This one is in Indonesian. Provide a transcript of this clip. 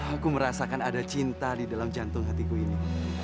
aku merasakan ada cinta di dalam jantung hatiku ini